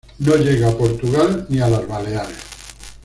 No llega a Portugal ni a las Baleares.